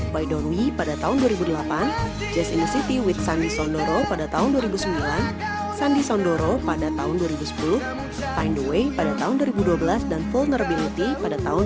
white dawn wee pada tahun dua ribu delapan jazz in the city with sandi sandoro pada tahun dua ribu sembilan sandi sandoro pada tahun dua ribu sepuluh find a way pada tahun dua ribu dua belas dan vulnerability pada tahun dua ribu empat belas